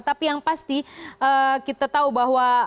tapi yang pasti kita tahu bahwa